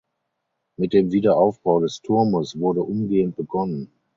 Mit dem Wiederaufbau des Turmes wurde umgehend begonnen.